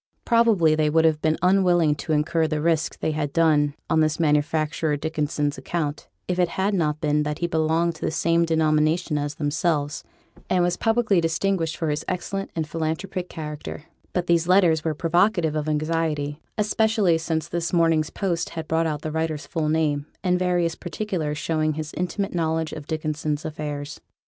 Probably, they would have been unwilling to incur the risk they had done on this manufacturer Dickinson's account, if it had not been that he belonged to the same denomination as themselves, and was publicly distinguished for his excellent and philanthropic character; but these letters were provocative of anxiety, especially since this morning's post had brought out the writer's full name, and various particulars showing his intimate knowledge of Dickinson's affairs.